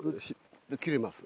切れます。